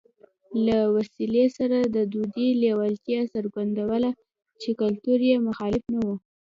له وسلې سره د دوی لېوالتیا څرګندوله چې کلتور یې مخالف نه و